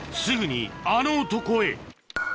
すぐにあの男へ